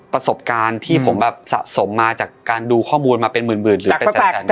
ประสบการณ์ที่ผมแบบสะสมมาจากการดูข้อมูลมาเป็นหมื่นหรือเป็นแสน